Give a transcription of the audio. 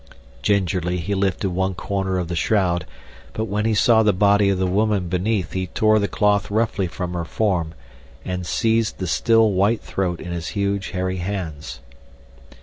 Gingerly he lifted one corner of the shroud, but when he saw the body of the woman beneath he tore the cloth roughly from her form and seized the still, white throat in his huge, hairy hands.